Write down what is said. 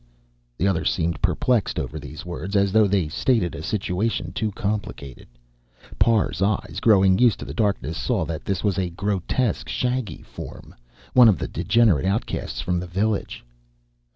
"Uh." The other seemed perplexed over these words, as though they stated a situation too complicated. Parr's eyes, growing used to the darkness, saw that this was a grotesque, shaggy form, one of the degenerate outcasts from the village.